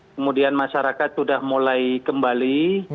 kemudian masyarakat sudah mulai kembali